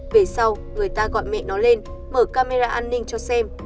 về sau người ta gọi mẹ nó lên mở camera an ninh cho xem